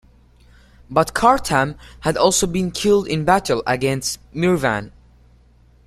But Kartam had also been killed in battle against Mirvan.